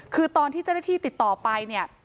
คือตอนที่เจ้าหน้าที่ติดต่อไปเนี่ย